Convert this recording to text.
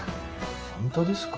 本当ですか？